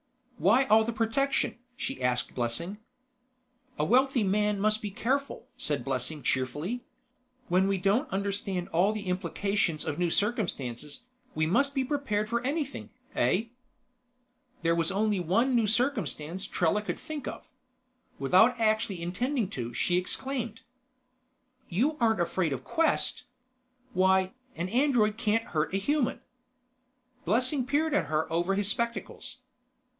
"Why all the protection?" she asked Blessing. "A wealthy man must be careful," said Blessing cheerfully. "When we don't understand all the implications of new circumstances, we must be prepared for anything, eh?" There was only one new circumstance Trella could think of. Without actually intending to, she exclaimed: "You aren't afraid of Quest? Why, an android can't hurt a human!" Blessing peered at her over his spectacles.